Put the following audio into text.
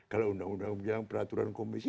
kalau undang undang peraturan komisi